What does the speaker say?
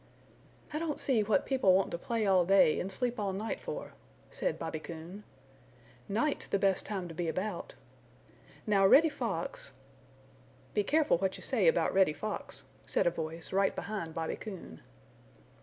"I don't see what people want to play all day and sleep all night for," said Bobby Coon. "Night's the best time to be about. Now Reddy Fox " "Be careful what you say about Reddy Fox," said a voice right behind Bobby Coon.